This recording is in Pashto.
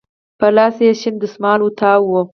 په لاس يې شين دسمال تاو و.